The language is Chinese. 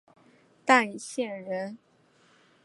剡县人。